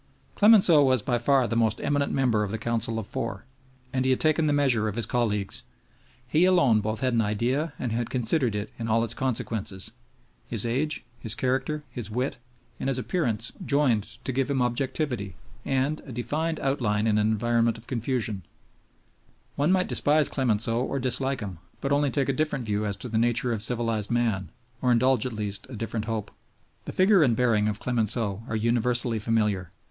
Clemenceau was by far the most eminent member of the Council of Four, and he had taken the measure of his colleagues. He alone both had an idea and had considered it in all its consequences. His age, his character, his wit, and his appearance joined to give him objectivity and a, defined outline in an environment of confusion. One could not despise Clemenceau or dislike him, but only take a different view as to the nature of civilized man, or indulge, at least, a different hope. The figure and bearing of Clemenceau are universally familiar.